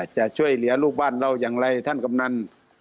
จะช่วยเหลือลูกบ้านเราอย่างไรท่านกำนัน